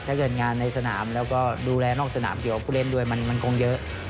งานในสนามแล้วก็ดูแลนอกสนามเกี่ยวกับผู้เล่นด้วยมันคงเยอะ